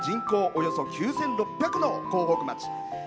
およそ９６００の江北町。